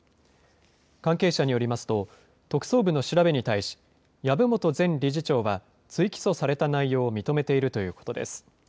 関係者によりますと、特捜部の調べに対し、籔本前理事長は追起訴された内容を認めているということです。